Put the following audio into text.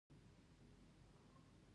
پښتو ژبه ويل او ليکل دې.